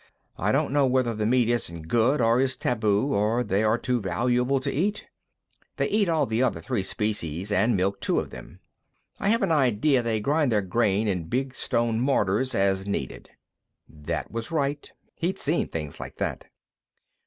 "I don't know whether the meat isn't good, or is taboo, or they are too valuable to eat. They eat all the other three species, and milk two of them. I have an idea they grind their grain in big stone mortars as needed." That was right; he'd seen things like that.